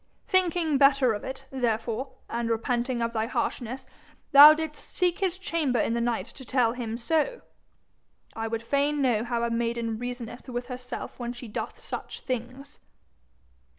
'Thinking better of it, therefore, and repenting of thy harshness, thou didst seek his chamber in the night to tell him so? I would fain know how a maiden reasoneth with herself when she doth such things.'